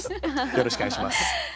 よろしくお願いします。